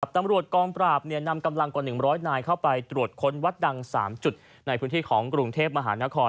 ตำรวจกองปราบนำกำลังกว่า๑๐๐นายเข้าไปตรวจค้นวัดดัง๓จุดในพื้นที่ของกรุงเทพมหานคร